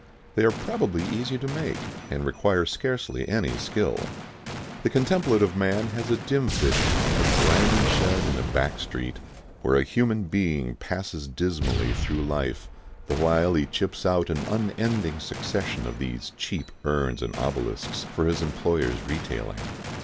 They are probably easy to make, and require scarcely any skill. The contemplative man has a dim vision of a grimy shed in a back street, where a human being passes dismally through life the while he chips out an unending succession of these cheap urns and obelisks for his employers' retailing.